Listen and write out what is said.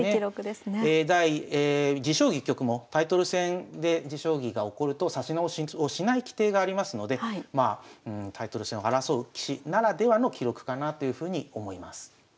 持将棋局もタイトル戦で持将棋が起こると指し直しをしない規定がありますのでタイトル戦を争う棋士ならではの記録かなというふうに思います。